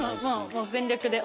もう全力で。